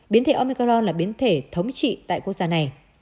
biến thể omicron là biến thể thống trị tại quốc gia này